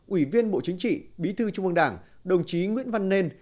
ủy viên bộ chính trị bí thư trung ương đảng đồng chí nguyễn văn nên